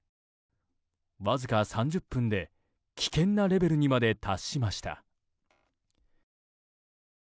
わずか３０分で危険なレベルにまで達しました。